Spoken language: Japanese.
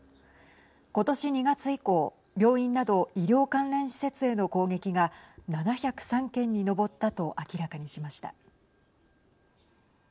今年２月以降病院など医療関連施設への攻撃が７０３件に上ったと明らかにしました。